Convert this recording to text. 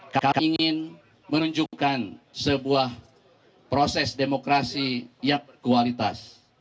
kami ingin menunjukkan sebuah proses demokrasi yang berkualitas